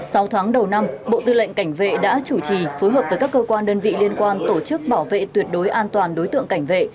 sau tháng đầu năm bộ tư lệnh cảnh vệ đã chủ trì phối hợp với các cơ quan đơn vị liên quan tổ chức bảo vệ tuyệt đối an toàn đối tượng cảnh vệ